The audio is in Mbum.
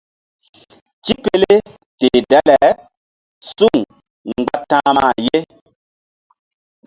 Tipele teh dale suŋ mgba ta̧hma ye.